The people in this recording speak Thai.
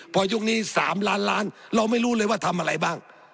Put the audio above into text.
พอยุคนี้๓ล้านล้านเราไม่รู้เลยว่าทำอะไรบ้าง